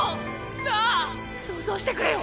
なあ想像してくれよ！